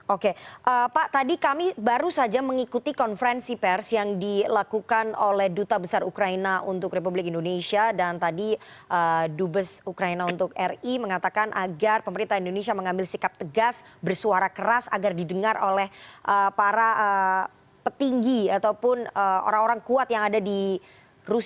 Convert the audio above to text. oke pak tadi kami baru saja mengikuti konferensi pers yang dilakukan oleh duta besar ukraina untuk republik indonesia dan tadi dubes ukraina untuk ri mengatakan agar pemerintah indonesia mengambil sikap tegas bersuara keras agar didengar oleh para petinggi ataupun orang orang kuat yang diperlukan